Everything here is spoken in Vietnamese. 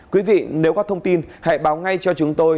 quý vị nếu có thông tin hãy báo ngay cho chúng tôi